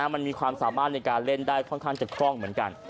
มันมีความสามารถในการเล่นได้ค่อนข้างจะคล่องเหมือนกัน